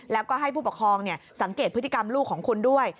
แล้วก็ให้ผู้ปกครองสังเกตพฤติกรรมลูกของคุณด้วย